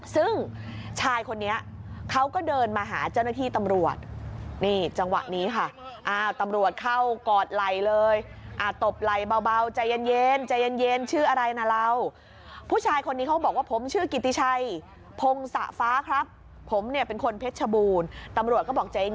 ซึ่งชายคนนี้เขาก็เดินมาหาเจ้าหน้าที่ตำรวจ